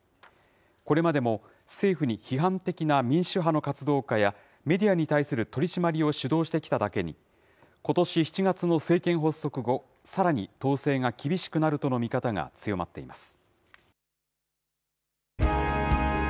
これまでも、政府に批判的な民主派の活動家や、メディアに対する取締りを主導してきただけに、ことし７月の政権発足後、さらに統制が厳しくなるとの見方が強まっています。